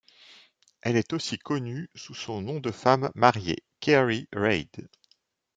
Elle est aussi connue sous son nom de femme mariée, Kerry Reid.